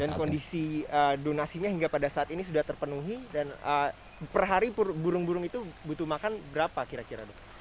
dan kondisi donasinya hingga pada saat ini sudah terpenuhi dan perhari burung burung itu butuh makan berapa kira kira dok